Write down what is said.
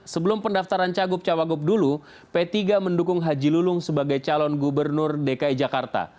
sebelum pendaftaran cagup cawagup dulu p tiga mendukung haji lulung sebagai calon gubernur dki jakarta